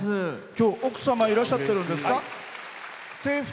きょう奥様いらっしゃってるんですか？